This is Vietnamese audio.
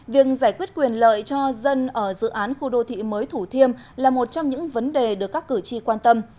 việc giải quyết quyền lợi cho dân ở dự án khu đô thị mới thủ thiêm là một trong những vấn đề được các cử tri quan tâm